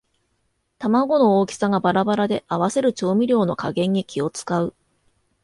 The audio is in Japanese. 玉子の大きさがバラバラで合わせる調味料の加減に気をつかう